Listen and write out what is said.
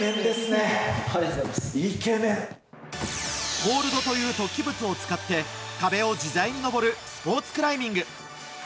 ホールドという突起物を使って壁を自在に登るスポーツクライミング。